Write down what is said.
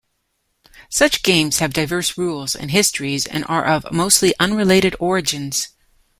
Such games have diverse rules and histories and are of mostly unrelated origins.